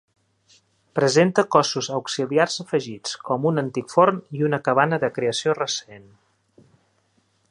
Presenta cossos auxiliars afegits, com un antic forn i una cabana de creació recent.